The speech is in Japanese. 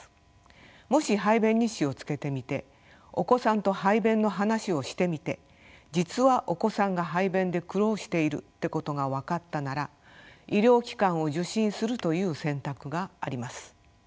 もし排便日誌をつけてみてお子さんと排便の話をしてみて実はお子さんが排便で苦労しているってことが分かったなら医療機関を受診するという選択があります。